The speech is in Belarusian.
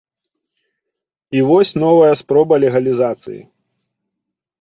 І вось новая спроба легалізацыі.